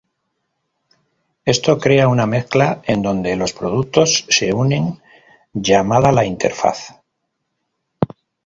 Esto crea una mezcla en donde los productos se unen llamada la "interfaz".